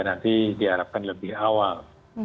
nanti diharapkan lebih awal